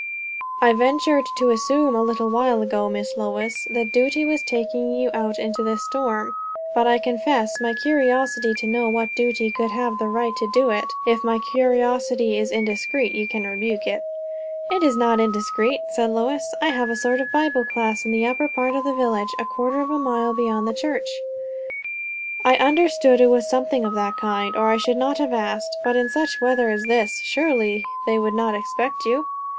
"I ventured to assume, a little while ago, Miss Lois, that duty was taking you out into this storm; but I confess my curiosity to know what duty could have the right to do it. If my curiosity is indiscreet, you can rebuke it." "It is not indiscreet," said Lois. "I have a sort of a Bible class, in the upper part of the village, a quarter of a mile beyond the church." "I understood it was something of that kind, or I should not have asked. But in such weather as this, surely they would not expect you?"